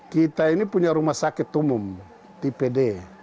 kita ini punya rumah sakit umum dpd